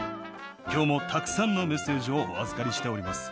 きょうもたくさんのメッセージをお預かりしております。